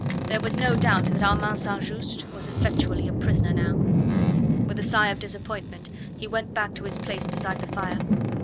There was no doubt that Armand St. Just was effectually a prisoner now. With a sigh of disappointment he went back to his place beside the fire.